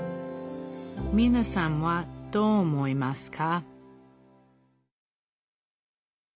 みなさんはどう思いますか？